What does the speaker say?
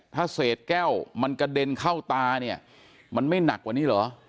ถ้าเศษแก้วมันกระเด็นเข้าตาเนี่ยมันไม่หนักกว่านี้เหรอ